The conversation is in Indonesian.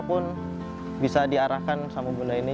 pun bisa diarahkan sama bunda ini